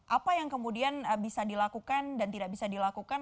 apa yang kemudian bisa dilakukan dan tidak bisa dilakukan